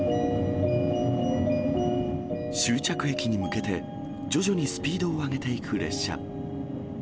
終着駅に向けて徐々にスピードを上げていく列車。